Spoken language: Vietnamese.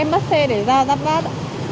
em bắt xe để ra giáp bát